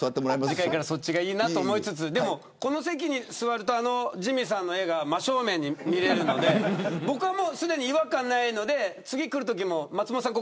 次回からそっちがいいなと思いつつこの席に座るとジミーさんの絵が真正面に見えるので僕はすでに違和感ないので次、来るときも松本さん